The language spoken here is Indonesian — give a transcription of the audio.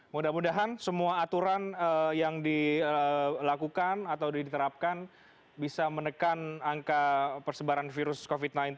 mudah mudahan semua aturan yang dilakukan atau diterapkan bisa menekan angka persebaran virus covid sembilan belas